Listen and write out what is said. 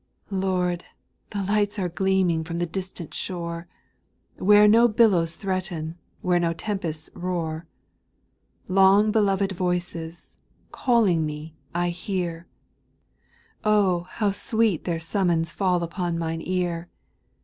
4. Lord I the lights are gleaming from the dis tant shore, "Where no billows threaten, where no tem pests roar ; Long beloved voices, calling me, I hear, — Oh ! how sweet their summons falls upon mine ear